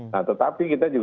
nah tetapi kita juga